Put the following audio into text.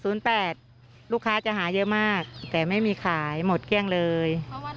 ลูกค้าจะหาเยอะมากแต่ไม่มีขายหมดเกลี้ยงเลย